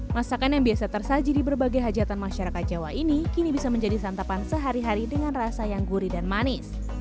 masakan yang biasa tersaji di berbagai hajatan masyarakat jawa ini kini bisa menjadi santapan sehari hari dengan rasa yang gurih dan manis